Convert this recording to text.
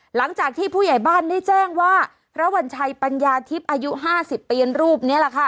หลังจากที่ผู้ใหญ่บ้านได้แจ้งว่าพระวัญชัยปัญญาทิพย์อายุ๕๐ปีรูปนี้แหละค่ะ